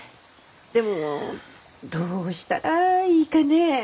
でもどうしたらいいかねえ。